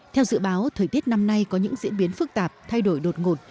theo dự báo thời tiết năm nay có những diễn biến phức tạp thay đổi đột ngột